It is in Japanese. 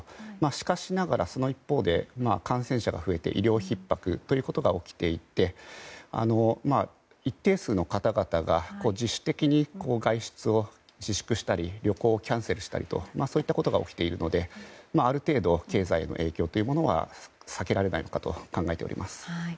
しかしながら、その一方で感染者が増えて医療ひっ迫が起きていて一定数の方々が自主的に外出を自粛したり旅行をキャンセルしたりとそういったことが起きているのである程度、経済への影響は避けられないのかなと考えています。